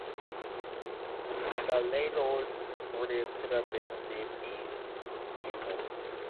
The railroad supported several businesses in Beaumont.